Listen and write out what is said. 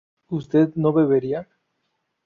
¿usted no bebería?